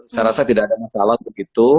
saya rasa tidak ada masalah begitu